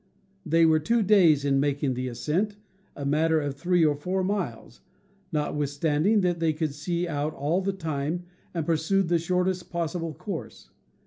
They were two days in making the ascent, a matter of three or four miles, notwithstanding that they could see out all the time and pursued the shortest possible course.